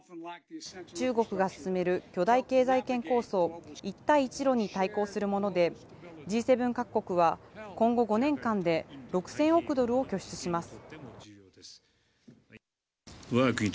中国が進める巨大経済圏構想一帯一路に対抗するもので、Ｇ７各国は今後５年間で６０００億ドルを拠出します。